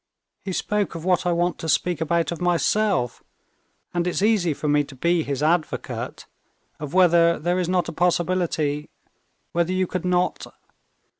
"He spoke of what I want to speak about of myself, and it's easy for me to be his advocate; of whether there is not a possibility ... whether you could not...."